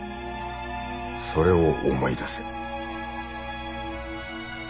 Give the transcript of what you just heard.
それを思い出せ。